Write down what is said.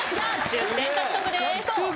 １０点獲得です。